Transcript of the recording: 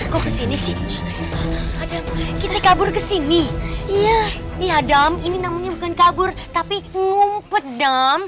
di sini sih kita kabur ke sini iya adam ini namanya bukan kabur tapi ngumpet dam